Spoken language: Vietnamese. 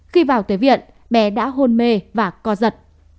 khi vào tới viện bé đã hôn mê và co giật